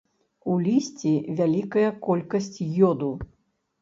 У лісці вялікая колькасць ёду.